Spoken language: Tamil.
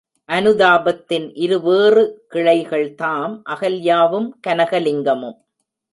அனுதாபத்தின் இருவேறு கிளைகள்தாம் அகல்யாவும் கனகலிங்கமும்.